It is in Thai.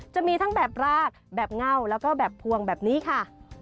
จะมีทั้งแบบรากแบบเง่าแล้วก็แบบพวงแบบนี้ค่ะ